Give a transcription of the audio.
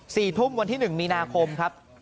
สี่ทุ่มวันที่หนึ่งมีนาคมครับ